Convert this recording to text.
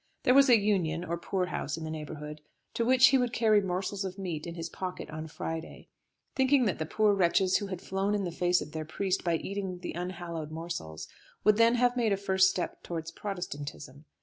There was a union, or poor house in the neighbourhood, to which he would carry morsels of meat in his pocket on Friday, thinking that the poor wretches who had flown in the face of their priest by eating the unhallowed morsels, would then have made a first step towards Protestantism.